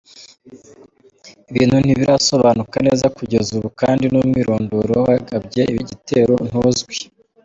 Ibintu ntibirasobanuka neza kugeza ubu kandi n’umwirondoro w’abagabye igitero ntuzwi.